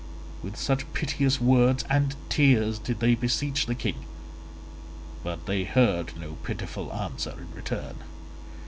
With such piteous words and tears did they beseech the king, but they heard no pitiful answer in return.